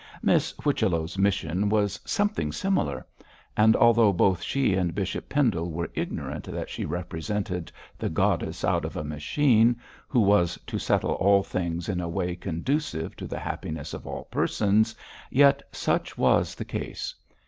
Miss Whichello's mission was something similar; and although both she and Bishop Pendle were ignorant that she represented the 'goddess out of a machine' who was to settle all things in a way conducive to the happiness of all persons, yet such was the case.